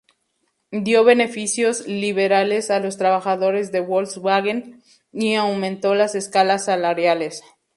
Dio beneficios liberales a los trabajadores de Volkswagen y aumentó las escalas salariales.